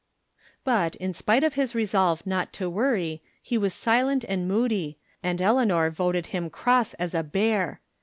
But, in spite of his resolve not to worry, he was silent and moody, and Eleanor voted him cross as a bear